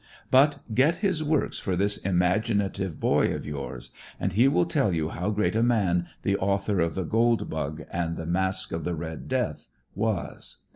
But get his works for this imaginative boy of yours and he will tell you how great a man the author of "The Gold Bug" and "The Masque of the Red Death" was.